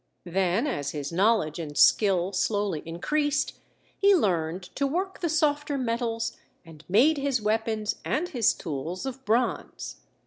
Then, as his knowledge and skill slowly increased, he learned to work the softer metals and made his weapons and his tools of bronze.